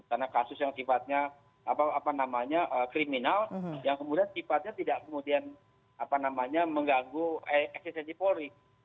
karena kasus yang sifatnya kriminal yang kemudian sifatnya tidak mengganggu eksistensi polri